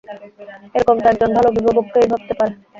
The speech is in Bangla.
এরকম তো একজন ভালো অভিবাবকই ভাবতে পারে।